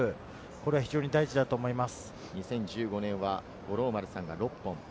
これが非常に大事だと思います。